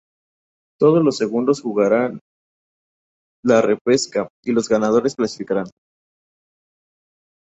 Todos los segundos jugarán la repesca, y los ganadores clasificarán.